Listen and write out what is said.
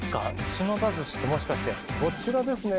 志乃多寿司ってもしかしてこちらですね。